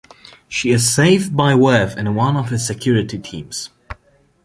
She is saved by Worf and one of his security teams.